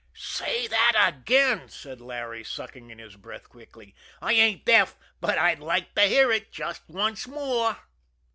"Say that again," said Larry, sucking in his breath quickly. "I ain't deaf, but I'd like to hear it just once more."